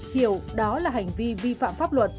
hiểu đó là hành vi vi phạm pháp luật